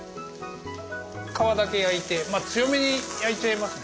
皮だけ焼いて強めに焼いちゃいますね。